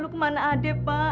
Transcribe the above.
lalu ke mana adik pak